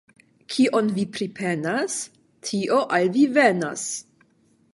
Kion vi pripenas, tio al vi venas.